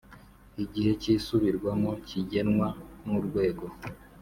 Igihe cy isubirwamo kigenwa n urwego